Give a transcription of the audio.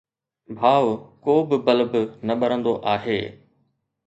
ڀاءُ، ڪو به بلب نه ٻرندو آهي